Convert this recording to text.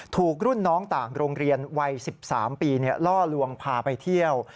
ถูกรุ่นน้องต่างโรงเรียนวัย๑๓ปีล่อลวงพาไปเที่ยว